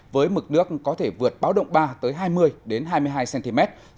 với mực nước có thể vượt báo động ba tới hai mươi hai mươi hai cm